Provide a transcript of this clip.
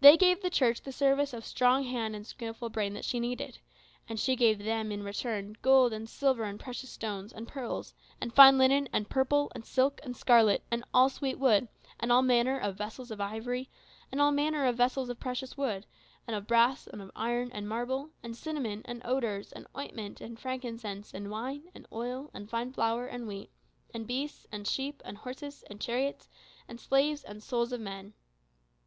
They gave the Church the service of strong hand and skilful brain that she needed; and she gave them, in return, "gold, and silver, and precious stones, and pearls; and fine linen, and purple, and silk, and scarlet; and all sweet wood; and all manner of vessels of ivory, and all manner of vessels of most precious wood, and of brass, and of iron, and marble; and cinnamon, and odours, and ointment, and frankincense; and wine, and oil, and fine flour, and wheat; and beasts, and sheep, and horses and chariots, and slaves and souls of men."